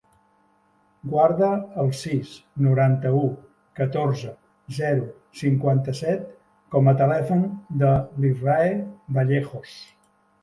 Guarda el sis, noranta-u, catorze, zero, cinquanta-set com a telèfon de l'Israe Vallejos.